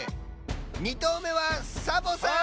２とうめはサボさん！